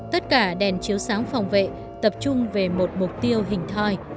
tất cả đèn chiếu sáng phòng vệ tập trung về một mục tiêu hình thoi